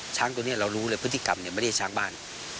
ช้างตัวนี้เรารู้เลยพฤติกรรมไม่ได้ช้างบ้าน